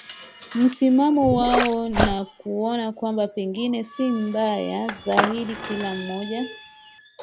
msimamo wao na kuona kwamba pengine si mbaya zaidi Kila mmoja